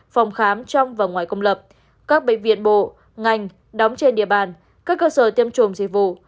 phòng khám trong và ngoài công lập các bệnh viện bộ ngành đóng trên địa bàn các cơ sở tiêm chủng dịch vụ